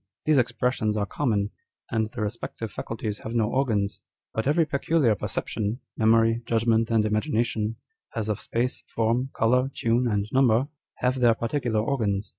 These expressions are common, and the respective faculties have no organs ; but every peculiar perception â€" memory, judgment, and imagi nationâ€" as of space, form, colour, tune, and number, have their particular organs.